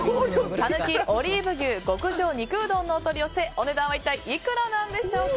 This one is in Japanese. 讃岐オリーブ牛極上肉うどんのお取り寄せお値段は一体いくらなんでしょうか。